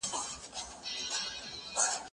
زه بايد درس ولولم؟